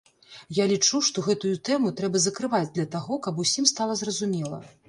Я лічу, што гэтую тэму трэба закрываць для таго, каб усім стала зразумела.